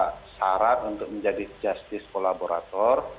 ada syarat untuk menjadi justice kolaborator